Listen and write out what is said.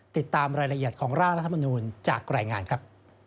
ติดตามรายละเอียดของร่างรัฐมนูลจากรายงานครับ